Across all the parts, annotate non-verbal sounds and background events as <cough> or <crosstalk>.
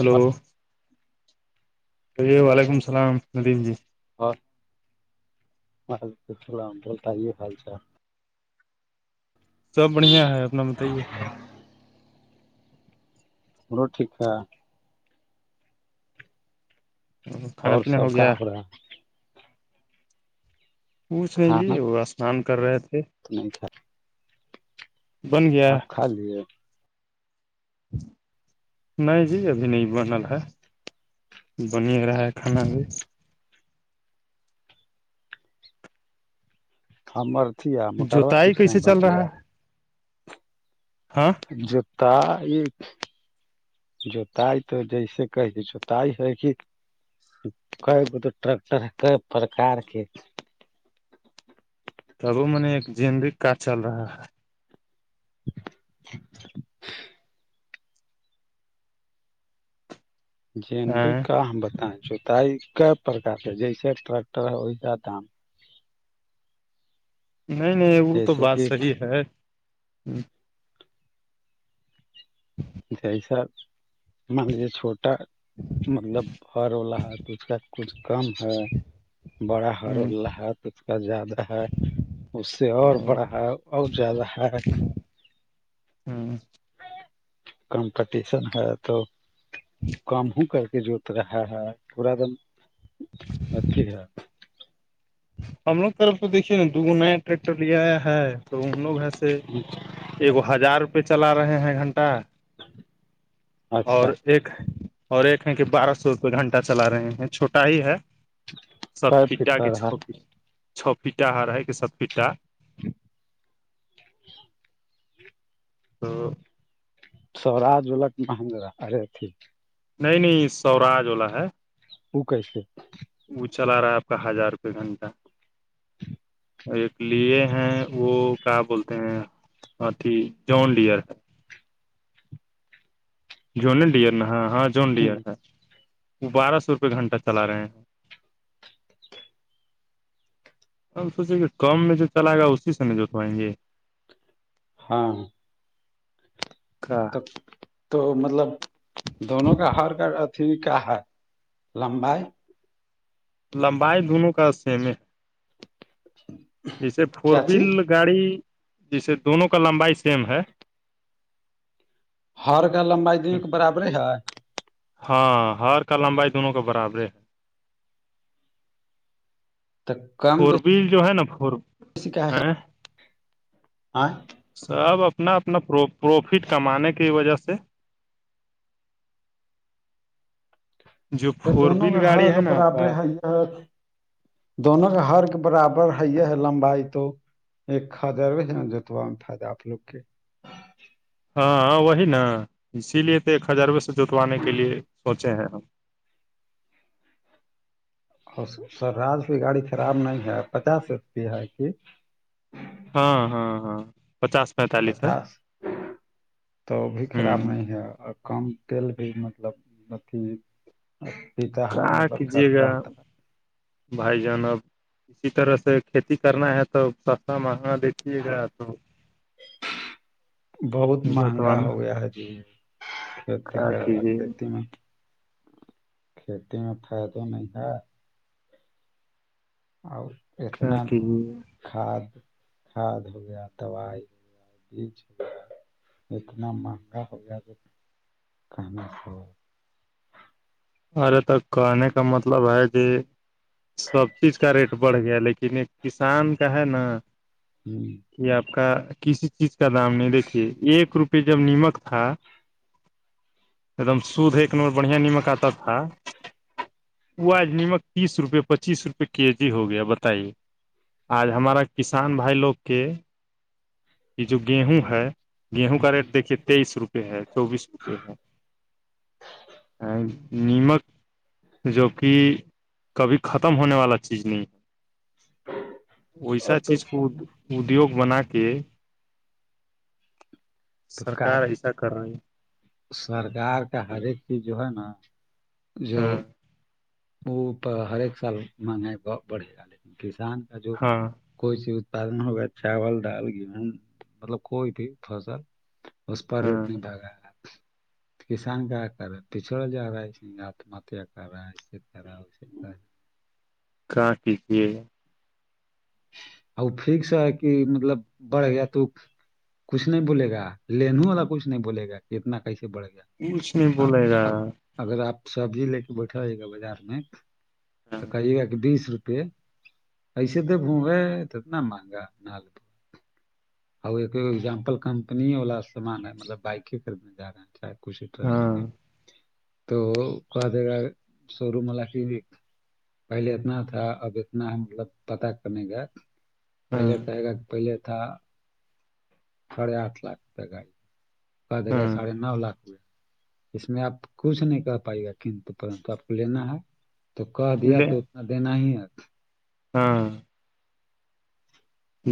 Hello ہو وعلیکم السلام ندم جی اور مام ب تج ہی حال چار سب بڑھیاں ہے اپنا بتائیے بولو ٹھیک کھانا اور پینا ہو سب گیا کہاں پ رہا پوچھ نہیں جی وہ اسنان کر رہے تھے نہی سر بند گیا خھا لییے نہیں جی ابھی نہیں بنل ہے بن رہا کھانا بھی ہم بارتیا موٹرا جوتائی پورسم کیسے گ چل رہا ہے ہاں جوتا ایک جتائی تو جیسے کہ جوتائی ہے کہ کئی گ تو ٹر کئی پرکار کے تب وہ میں نے ایک زدی کاج چل رہا ہے <unintelligible> جینبک ہے کا ہم بتائیں جتائی کیا پرک کے جیسے ٹریکٹر ہے ویسا دام نہیں نہیں وہ تو جیسے بات کہ صحیح ہے جیسا مان لییے چھوٹا مطلب ہر واللا ہات اسچ کا کچھ کم ہے بڑا ہ ہ ہرلہحت اس کا زیادہ ہے اس سے اور بڑا ہے اور زیادہ ہے کمپٹیشن ہے تو کام ہ کر کے جو گر ہ پورادن مد ہے ہم لوگ طرف تو دیکھیے نا دوگ نیا ٹریکٹر لے آیا ہے تو ان لوگ ایسے ایکو ہزار روپے چلا رہے ہیں گھنٹہ اور اچھا ایک اور ایک ہے کہ بارہ سو روپئے گھنٹہ چلا رہے ہیں چھوٹا ہی ہے سپ ک فٹ پٹا ہو کے رہا چو پیٹا ہر ہے کہ ست پٹا <unintelligible> تو سووراج ولٹ مہندرا ارے تھی نہیں نہیں سوراج والا ہے وہ کیسے وہ چلا رہا ہے آپ کا ہزار روپے گھنٹہ اور ایک لیے ہیں وہ کیا بولتے ہیں اھی جون ڈئر ہے جون ڈیئر ن ہاں ہاں جون ہ ڈیئر ہے وہ بارہ سو روپئے گھنٹہ چلا رہے ہیں ہم سوچے کہ کام میں جو چلاائے گا اسی سے نہیں جوٹوائیں گے ہاں <unintelligible> تو تو مطلب دونوں کا ہار کارڈ ٹھیک ہے لمبائی ہے لمبائی دونوں کا سیم ہے اچھا جیسے فور ویل گاڑی جیسے دونوں کا لمبائی سیم ہے ہر کا لمبائی دیکھ برابر ہے ہاں ہر کا لمبائی دونوں کے برابرے تو کم فور بی جو ہے نا فور ا آاں سب اپنا اپنا پروفٹ کمانے کی وجہ سے جو تو فور دونوں کے ویل ہر گاڑی ہے نا آپ برابر کا ہے دونوں کے ہر کے برابر ہے یہ ہے لمبائی تو ایک خر ہے نا جوتوا میں فائدہ آپ لوگ کے ہاں ہاں وہی نا اسی لیے تو ایک ہزار روئے سے جوتوانے کے لیے سوچے ہیں ہم اور سر آج کی گاڑی خراب نہیں ہے پچاس ری ہے کہ ہاں ہاں ہاں پچاس میں پچاس تو بھی خراب ہوں نہیں ہے اور کم تل بھی مطلب اھی پیتا ہے کیا مطلب کیجیے خرچا گا ہوتا ہے بھائی جانب اسی طرح سے کھیتی کرنا ہے تو سستا مہنگا دییکھیے گا تو بہت مہنگا ہو جوتوانا گیا ہے جی کھیتی کیا کر گ کیجیے کھیتی میں کھیتی میں فائد نہیں ہے اور کیا اتنا کیجیے کھاد کھاد ہو گیا دوائی ہو گیا بیج ہو اتنا مہنگا ہو گیا ج کہنا سے ارے تک کہنے کا مطلب ہے کہ سب چیز کا ریٹ بڑھ گیا لیکن کسان کا ہے نا ہمم کہ آپ کا کسی چیز کا دام نہیں دیکھیے ایک روپے جب نیمک تھا ایک دم شدھ ایکن بڑھیا نمکا تک وہ آج نمک تیس روپے پچیس روپے کے جی ہو گیا بتائیے آج ہمارا کسان بھائی لوگ کے یہ جو گیہوں ہے گیہوں کا ہوں۔ ریٹ دیکھیے تیئیس روپ ہے چوبیس روپے ہے ا نیمک جو کہ کبھی ختم ہونے والا چیز نہیں ہے اور ویسا تو چیز کو ادیوگ بنا کے تو کا سرکار ایسا کر رہی سرکار کا ہر ایک چیز جو ہے نا ہے جو ہاں وہپ ہر ایک سال مہنگ ہے بڑھے گا لیکن کسان کا جو ہاں کوئی چیز اتپادن ہو گیا چاول دال گیہ مطلب کوئی بھی فصل اس پر ریٹ ہاں نہیں جاگا کسان کیا کر رہا ہے پچھڑا جا رہا ہے آتما ہتیا کر رہا ہے اسے کر رہا ہےے رہا ہے کہاں کیجیے وہ پھیک سےا ہے کہ مطلب بڑھ گیا تو کچھ نہیں بولے گا لنو والا کچھ نہیں بولے گا اتنا کیسے بڑھ گیا کچھ نہیں اب بلاے گا اب اگر آپ سبزی لے کے بیٹھا آئیے گا بازار میں تو ہاں کہیے گا کہ بیس روپے ایسے تو ب ہے توتنا مہگا ن اور ایکگزامپل کمپنی والا سامان ہے مطلب بائک خریدنے جاانا چاہ کش تو کہا جائے گا شو روم وال کے پہلے اتنا تھا اب اتنا مطلب پتہ کر نہیں گیا ہاں پہلے تو گا کہ پہلے تھا ساڑھے آٹھ لاکھ تک آئی کا دے گا ہاں ساڑھے نو لاکھ ہوئے اس میں آپ کچھ نہیں کہ پائے گا کنت پرنت آپ کو لینا ہے تو کہ دیا لے تو دین ہی ہے ہاں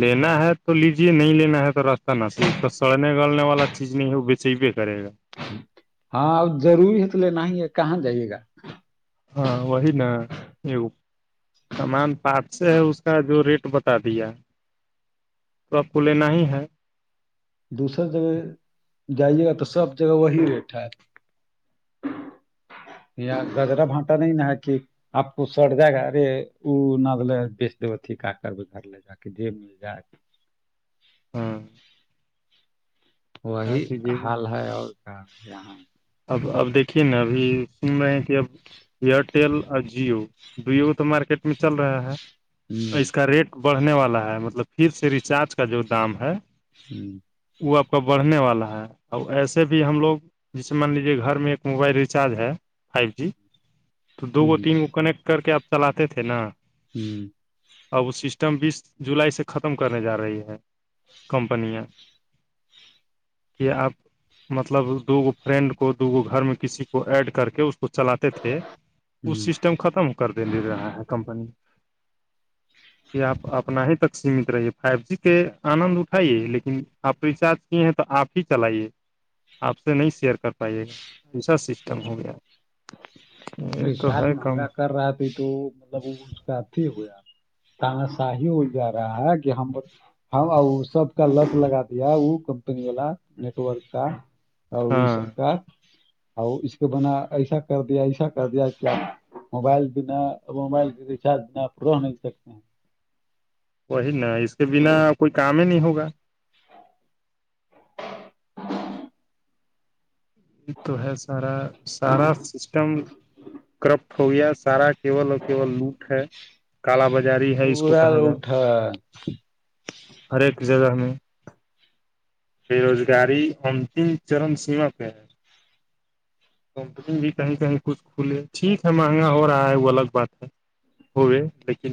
لینا ہے تو لیجیے نہیں لینا ہے تو راستہ نہ پ اس کا سڑنے نکلنے والا چیز نہیں ہے وہ بیچی بھیے کرے گا ہاں ا ضروری ہے تو لینا ہی ہے کہاں جائیے گا ہاں وہی نا سامان پارٹ سے ہے اس کا جو ریٹ بتا دیا تو آپ کو لینا ہی ہے دوسر جگہ جائیے گا تو سب جگہ وہی ریٹ ہے گجرا بھانٹا نہیں نہ کہ آپ کو سٹ جائے گا ارے وہ ندل بیچ د ھیک کر گھر ل جا کے مل جائے ہوں وہی کیجیے گا حال ہے اور کیا یہاں اب اب دیکھیے نا ابھی سن رہے ہیں کہ اب ایئرٹل اور جیو کو تو مارکیٹ میں چل رہا ہے ہوں اور اس کا ریٹ بڑھنے والا ہے مطلب پھر سے ریچارج کا جو دام ہے ہی وہ آپ کا بڑھنے والا ہے اب ایسے بھی ہم لوگ جیسے مان لیجیے گھر میں ایک موبائل ریچارج ہے فائیو جی تو دو ہوں تین کو کنیکٹ کر کے آپ چلاتے تھے نا ہوں اب وہ سسٹم بھی جولائی سے ختم کرنے جا رہی ہے کمپنی ہے کہ آپ مطلب دو گو فرینڈ کو دوکو گھر میں کسی کو ایڈ کر کے اس کو چلاتے تھے اس ہوں سسٹم ختم کر دے رہا ہے کمپنی جی کہ آپ اپنا ہی تک سیمت رہیے فائیو جی کے آنند اٹھائیے لیکن آپ ریچارج کیے ہیں تو آپ ہی چلائیے آپ سے نہیں شیئر کر پائے گا ایسا سسٹم ہو گیا ا یہ تو رزار ہے کم مہنگا کر رہا تھھی تو مطلب اس کا ا تھی ہویا تانا شاہی ہو جا رہا ہے کہ ہم بس ہاں وہ سب کا لت لگا دیا وہ کمپنی والا نیٹورک کا اور اس ہاں کا اور اس کے بنا ایسا کر دیا ایسا کر دیا کیا موبائل بنا موبائل کے ریچارج بنا رہ نہیں سکتے ہیں وہی نا اس کے بنا کوئی کام ہی نہیں ہوگا یہ تو ہے سارا سارا سسٹم کارپٹ ہو گیا سارا کیول اور کیول لوٹ ہے کالا بازاری ہے اس کو اور کہا جائے اٹھا ہر ایک جگہ میں بے روزگاری انتم چرم سیما پہ ہے کمپنی بھی کہیں کہیں کچھ کھلے ٹھیک ہے مہنگا ہو رہا ہے وہ الگ بات ہے ہوئے لیکن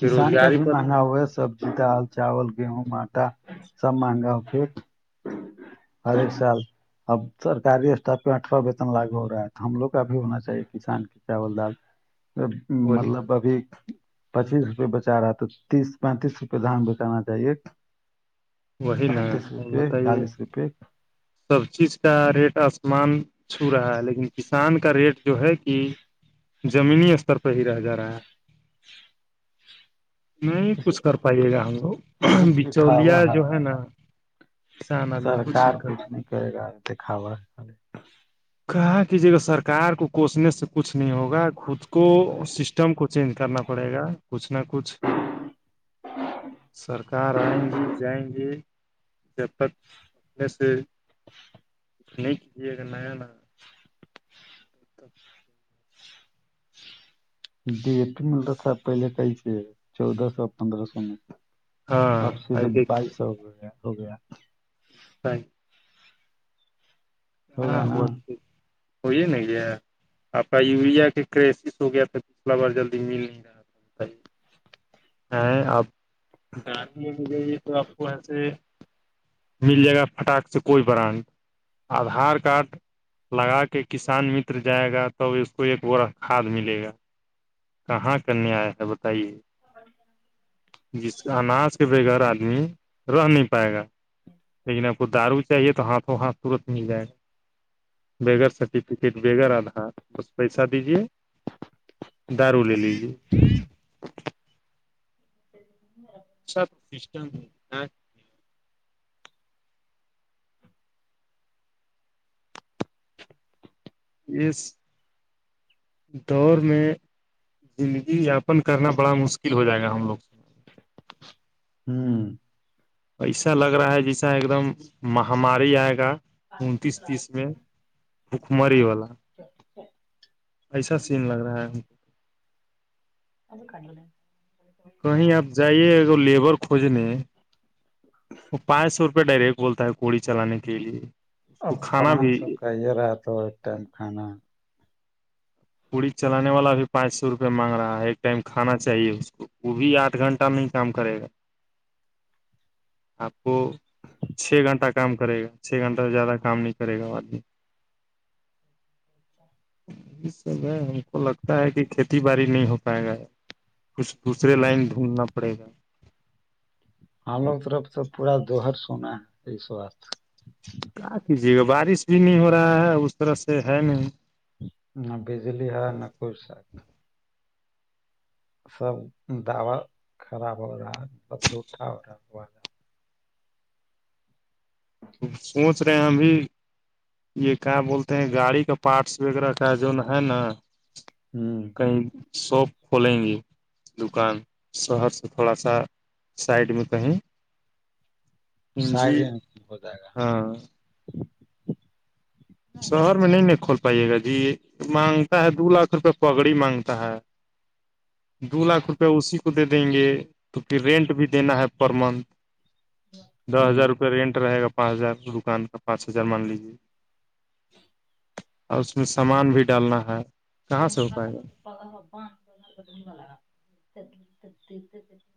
بے کا روزگاری بھی پر مانا ہوا ہے سبزی دال چاول گیہوں آٹا سب مہنگا ہو پھر ہر ایک سال اب سرکاری سٹاف پہ آٹھارہ پرسنٹ لاگو ہو رہا ہے تو ہم لوگ کا بھی ہونا چاہیے کسان کے چاول دال وہی مطلب ابھی پچیس روپئے بچا رہا ہے تو تیس پینتیس روپئے دھان بچانا چاہیے ایک وہی نا پینتیس روپیئے بتائیے چالیس روپیے سب چیز کا ریٹ آسمان چھو رہا ہے لیکن کسان کا ریٹ جو ہے کہ زمینی استر پہ ہی رہ جا رہا ہے نہیں کچھ کر پائیے گا ہم لوگ بچولیا جو ہے نا کسان آدمی سرکار کچھ کرتا نہیں کرے گا د ںیخاوا کہاں کی جے گا سرکار کو کوسنے سے کچھ نہیں ہوگا خود کو سسٹم کو چینج کرنا پڑے گا کچھ نہ کچھ ہاں سرکار آئیں گی جائیں گی جب تک ایسے کچھ نہیں کیجیے اگر نیا ن <inaudible> ڈیٹ ملتا تھاا پہل کہا سے ہے چودہ سو پندرہ سو میں ہاں اب آ سیدھے بائیس سو دیکھیے ہو گیا ہو گیا <unintelligible> ہاں وہ ٹھیک ہو یہ نا گیا آپ کا یوریا کے کرسس ہو گیا تو پچھلا بار جلدی مل نہیں رہا آپ دان میں بھی جئیے تو آپ کو ایاںس مل جائے گا پٹاک سے کوئی برانڈ آدھار کارڈ لگا کے کسان متر جائے گا توب اس کو ایک بورت کھاد ملے گا کہاں کرنے آیا ہے بتائیے جس اناج کے گھر آدمی رہ نہیں پائے گا لیکن آپ کو دارو چاہیے تو ہاتھوں ہاتھ تورت مل جائے گا ب گگر سرٹیفکیٹ ب گگر آدھار بس پیسہ دیجیے دارو لے لیجیے <inaudible> سب سسٹم ہے یہ دور میں زندگی یاپن کرنا بڑا مشکل ہو جائے گا ہم لوگ ہمم پیسہ لگ رہا ہے جیسا ایک دم مہاماری آئے گا انتیس تیس میں بھکمری والا ایسا سین لگ رہا ہے <inaudible> کہیں آپ جائیے ا لیبر کھوجنے وہ پانچ سو روپے پہ ڈائریکٹ بولتا ہے کوی چلانے کے لیے کو اب کھانا پانچ بھی سو کا یہ رہا تو ایک ٹائم کھانا پوڑی چلانے والا بھی پانچ سو روپئے مانگ رہا ہے ایک ٹائم کھانا چاہیے اس کو وہ بھی آٹھ گھنٹہ نہیں کام کرے گا <inaudible> آپ کو چھ گھنٹہ کام کرے گا چھ گھنٹہ زیادہ کام نہیں کرے گا آدمی میں ہم کو لگتا ہے کہ کھیتی باڑی نہیں ہو پائے گا کچھ دوسرے لائن ڈھونڈنا پڑے گا ہالوگ طرف تو پورا دہر سونا ہے اس س بات کیجیے گا بارش بھی نہیں ہو رہا ہے اس طرح سے ہے نہیں نہ بجلی ہ نہ کوئی شا سب دوا خراب ہو رہا ہے مطلب جوٹا ہو رہا ہوا رہا سوچ رہے ہیں ہم بھی یہ کیا بولتے ہیں گاڑی کا پارٹس وغیرہ کا جو نا ہے نا ہمم کہیں شاپ کھولیں گی دکان شہر سے تھوڑا سا سائڈ میں کہیں سائڈ جی ہو جائے گا ہاں <inaudible> شہر میں نہیں نہیں کھول پائیے گا جی یہ مانگتا ہے دو لاکھ روپے پگڑی مانگتا ہے دو لاکھ روپئے اسی کو دے دیں گے توکھر رینٹ بھی دینا ہے پر منتھ دس ہزار روپیہ رینٹ رہے گا پانچ ہزار دکان کا پانچ ہزار مان لیجیے اور اس میں سامان بھی ڈالنا ہے کہاں سے ہو پائے گا کا پاا جا <unintelligible>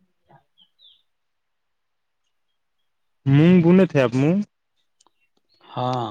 گنے تھ آپ ہاں